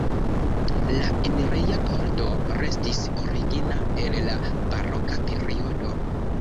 La enireja pordo restis origina el la baroka periodo.